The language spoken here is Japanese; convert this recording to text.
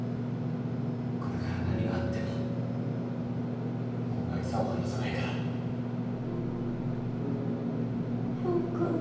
これから何があってももう凪沙を離さないから陽君。